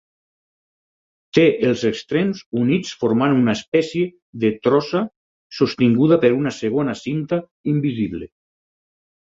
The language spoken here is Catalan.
Té els extrems units formant una espècie de trossa sostinguda per una segona cinta invisible.